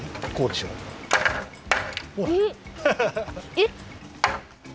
えっ！？